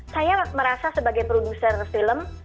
saya merasa sebagai produser film